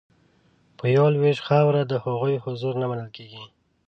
په یوه لوېشت خاوره د هغوی حضور نه منل کیږي